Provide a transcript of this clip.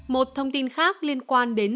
một thông tin khác liên quan đến